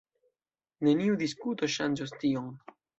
Neniu diskuto ŝanĝos tion.